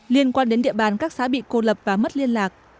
liên quan đến địa bàn các xã bị cô lập và mất liên lạc